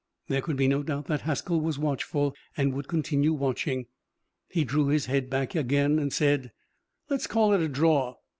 There could be no doubt that Haskell was watchful and would continue watching. He drew his head back again and said: "Let's call it a draw.